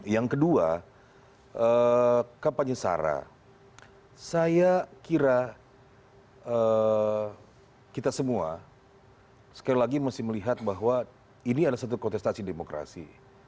yang kedua kapanya sara saya kira kita semua sekali lagi masih melihat bahwa ini adalah satu kontestasi demokrasi